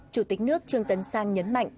chủ tịch nước trương tấn sang nhấn mạnh